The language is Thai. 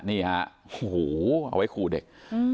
อ๋อเอาไว้ขู่เด็ก